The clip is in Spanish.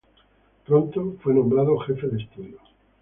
Pronto fue nombrado jefe de estudio.